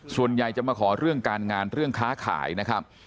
ส่วนใหญ่จะมาขอเรื่องการงานเรื่องค้าขายนะครับ